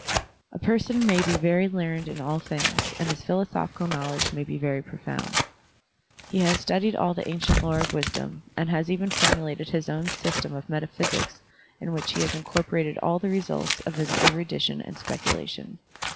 A person may be very learned in all things, and his philosophical knowledge may be very profound. He has studied all the ancient lore of wisdom, and has even formulated his own system of metaphysics in which he has incorpo rated all the results of his erudition and specu lation.